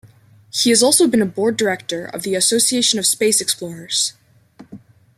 He has also been a board director of the Association of Space Explorers.